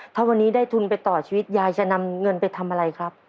ถ้าวันนี้ได้ทุนไปต่อชีวิตยายจะนำเงินไปทำอะไรครับ